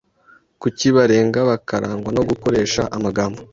kuki barenga bakarangwa no gukoresha amagambo